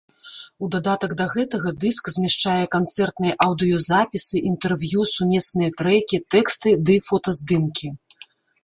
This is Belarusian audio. У дадатак да гэтага дыск змяшчае канцэртныя аўдыёзапісы, інтэрв'ю, сумесныя трэкі, тэксты ды фотаздымкі.